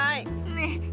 ねえ。